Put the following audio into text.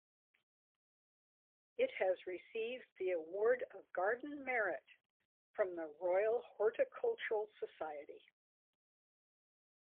It has received the Award of Garden Merit from the Royal Horticultural Society.